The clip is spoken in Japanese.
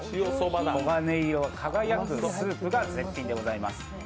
黄金色輝くスープが絶品でございます。